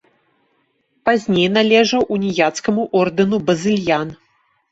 Пазней належаў уніяцкаму ордэну базыльян.